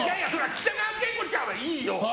北川景子ちゃんはいいよ。